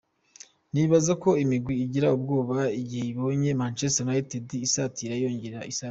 "Nibaza ko imigwi igira ubwoba igihe ibonye Manchester United isatira, yongera isatira.